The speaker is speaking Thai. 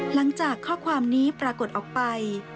หลังจากข้อความนี้ปรากฏออกไป